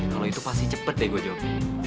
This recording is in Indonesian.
kalo itu pasti cepet deh gue jawab